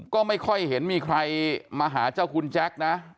ก็ไม่ค่อยเห็นมีใครมาหาเจ้าคุณแจ๊คนะ